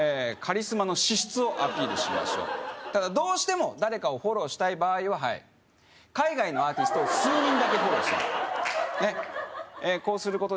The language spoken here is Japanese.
カリスマの資質をアピールしましょうただどうしても誰かをフォローしたい場合ははい海外のアーティストを数人だけフォローする